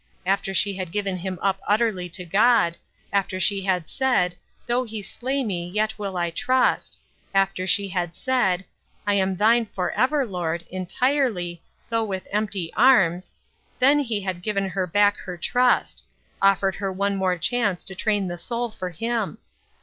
After she had given him up utterly to God ; after she had said, " Though he slay me, yet will I trust ;" after she had said, " I am thine forever, Lord, entirely^ though with empty arms," then he had given her back her trust — offered her one more chance to train the soul for him.